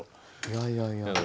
いやいやいや。